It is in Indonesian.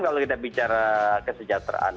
kalau kita bicara kesejahteraan